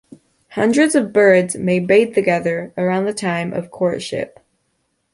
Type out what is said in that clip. Hundreds of birds may bathe together around the time of courtship.